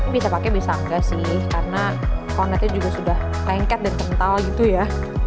bisa pakai bisa enggak sih karena planetnya juga sudah lengket dan kental gitu ya